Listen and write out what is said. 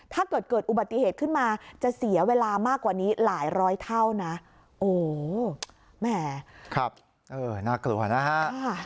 ถ้าเกิดเกิดอุบัติเหตุขึ้นมาจะเสียเวลามากกว่านี้หลายร้อยเท่านะโอ้โหแหมครับเออน่ากลัวนะฮะ